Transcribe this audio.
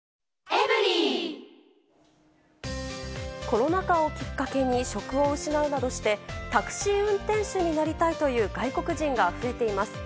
コロナ禍をきっかけに、職を失うなどして、タクシー運転手になりたいという外国人が増えています。